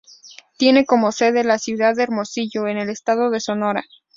Tiene como sede la ciudad de Hermosillo, en el estado de Sonora.